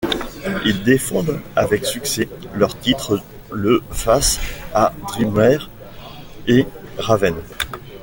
Ils défendent avec succès leur titre le face à Dreamer et Raven.